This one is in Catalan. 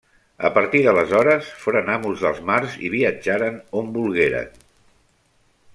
A partir d'aleshores, foren amos dels mars i viatjaren on volgueren.